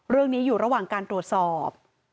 เรื่องนี้อยู่ระหว่างการตรวจสอบ